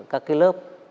các cái lớp